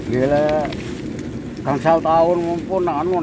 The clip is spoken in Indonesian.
kalau tidak satu tahun mungkin selama sepuluh tahun